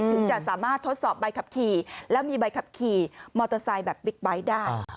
ถึงจะสามารถทดสอบใบขับขี่แล้วมีใบขับขี่มอเตอร์ไซค์แบบบิ๊กไบท์ได้